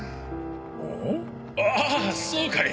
ああそうかい。